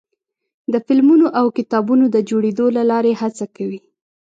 د فلمونو او کتابونو د جوړېدو له لارې هڅه کوي.